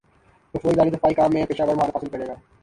وہ فوجداری دفاعی کام میں پیشہور مہارت حاصل کرے گا